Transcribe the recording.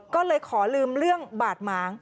ก็เลยขอลืมเรื่องบาดหมาง